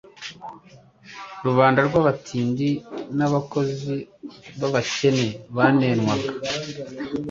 Rubanda rw'abatindi n'abakozi b'abakene banenwaga